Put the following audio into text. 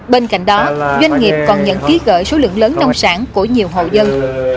bên cạnh đó doanh nghiệp còn nhận ký gỡi số lượng lớn nông sản của nhiều hậu dân